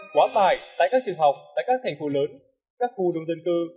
quá tải tại các trường học tại các thành phố lớn các khu đông dân cư